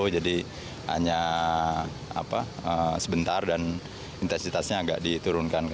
jadi hanya sebentar dan intensitasnya agak diturunkan